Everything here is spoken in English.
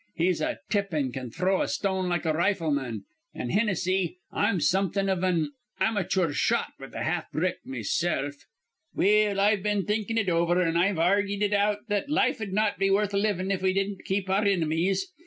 He's a Tip, an' can throw a stone like a rifleman; an', Hinnissy, I'm somethin' iv an amachoor shot with a half brick mesilf. "Well, I've been thinkin' it over, an' I've argied it out that life'd not be worth livin' if we didn't keep our inimies.